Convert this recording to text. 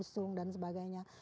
sebagai usung dan sebagainya